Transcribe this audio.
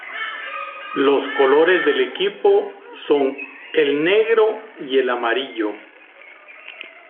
Los colores del equipo son el negro y el amarillo.